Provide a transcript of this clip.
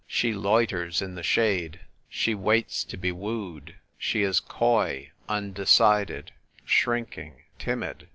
She loiters in the shade ; she waits to be wooed ; she is coy, undecided, shrink ing, timid.